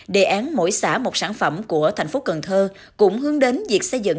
đề án mỗi xã một sản phẩm của tp cần thơ cũng hướng đến việc xây dựng